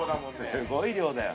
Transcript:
すごい量だよ。